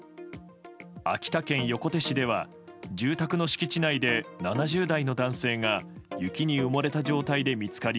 秋田県横手市では住宅の敷地内で７０代の男性が雪に埋もれた状態で見つかり